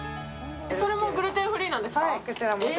それもグルテンフリーなんですか？